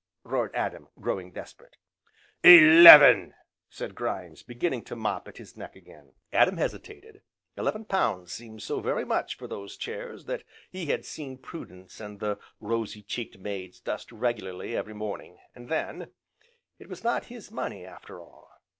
roared Adam, growing desperate. "Eleven!" said Grimes, beginning to mop at his neck again. Adam hesitated; eleven pounds seemed so very much for those chairs, that he had seen Prudence and the rosy cheeked maids dust regularly every morning, and then, it was not his money, after all.